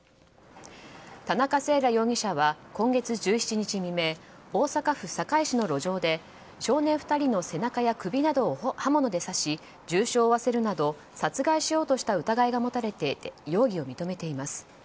田中星来容疑者は今月１７日未明大阪府堺市の路上で少年２人の背中や首などを刃物で刺し重傷を負わせるなど殺害しようとした疑いが持たれていて容疑を認めています。